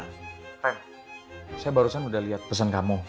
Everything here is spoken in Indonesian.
ren saya barusan udah liat pesan kamu